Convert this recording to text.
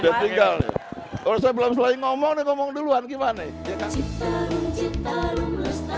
udah tinggal nih kalau saya belum selesai ngomong saya ngomong duluan gimana ya